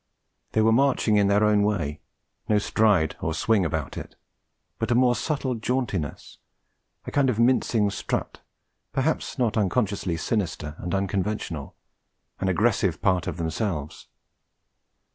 They were marching in their own way; no stride or swing about it; but a more subtle jauntiness, a kind of mincing strut, perhaps not unconsciously sinister and unconventional, an aggressive part of themselves.